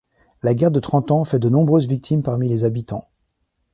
La guerre de Trente Ans fait de nombreuses victimes parmi les habitants.